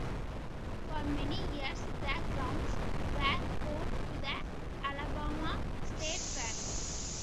For many years, the grounds were home to the Alabama State Fair.